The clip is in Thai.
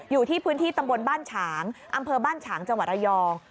อยู่ที่พื้นที่ตำบลบ้านฉางอำเภอบ้านฉางจังหวัดระยอง